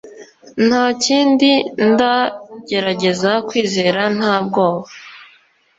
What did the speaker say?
Ntakindi Ndagerageza kwizera nta bwoba